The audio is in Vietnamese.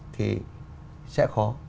thì sẽ khó